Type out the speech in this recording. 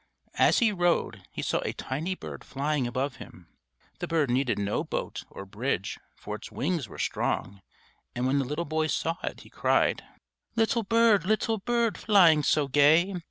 As he rowed, he saw a tiny bird flying above him. The bird needed no boat or bridge, for its wings were strong; and when the little boy saw it, he cried: "_Little bird, little bird, flying so gay!